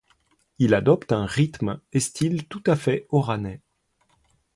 Il adopte un rythme et style tout à fait oranais.